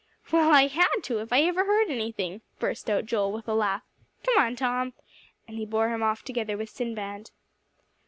"Well, I had to, if I ever heard anything," burst out Joel, with a laugh. "Come on, Tom," and he bore him off together with Sinbad.